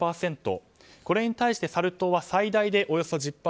これに対してサル痘は最大でおよそ１０％。